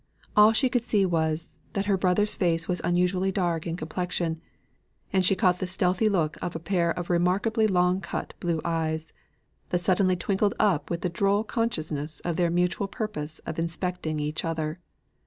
All she could see was, that her brother's face was unusually dark in complexion, and she caught the stealthy look of a pair of remarkably long cut blue eyes, that suddenly twinkled up with a droll consciousness of their mutual purpose of inspecting each other.